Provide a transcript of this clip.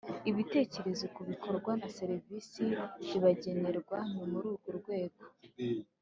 ibitekerezo ku bikorwa na serivisi bibagenerwa. ni muri urwo rwego,